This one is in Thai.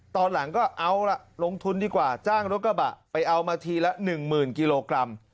ตอนหลังก็เอาล่ะลงทุนดีกว่าจ้างรถกระบะไปเอามาทีละ๑๐๐๐กิโลกรัม